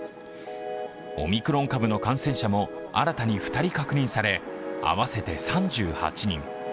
オミクロン株の感染者も新たに２人確認され、合わせて３８人。